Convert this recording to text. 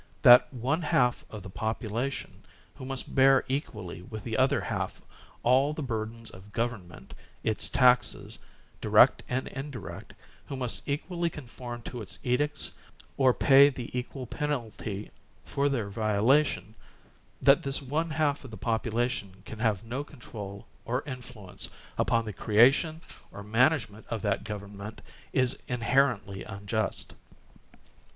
That one half of the population who must bear equally with the other half all the burdens of government, its taxes, direct and indirect, who must equally conform to its edicts or OR PROGRESSIVE DEMOCRACY 171 pay the equal penalty for their violation, that this one iialf of the population can have no control or influence upon the creation or management of that goverimient is inherently unjust.